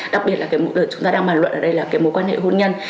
đặc biệt là cái mối quan hệ chúng ta đang bàn luận ở đây là cái mối quan hệ hôn nhân